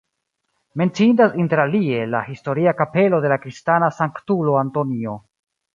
Menciindas inter alie la historia kapelo de la kristana sanktulo Antonio.